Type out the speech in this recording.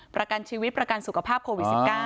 ประกันชีวิตประกันสุขภาพโควิด๑๙